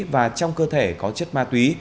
và trong cơ thể có chất ma túy